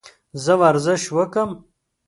زه ورزش وکم؟